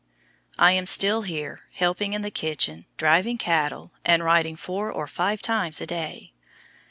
I am still here, helping in the kitchen, driving cattle, and riding four or five times a day.